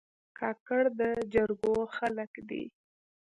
کاکړ د جرګو خلک دي.